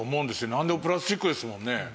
なんでもプラスチックですもんね。